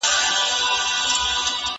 په مابينځ کي يوه تنګه لاره ده.